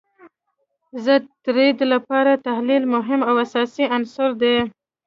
د ټریډ لپاره تحلیل مهم او اساسی عنصر دي